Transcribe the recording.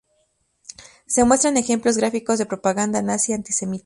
Se muestran ejemplos gráficos de propaganda nazi antisemita.